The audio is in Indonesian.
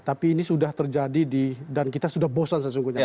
tapi ini sudah terjadi dan kita sudah bosan sesungguhnya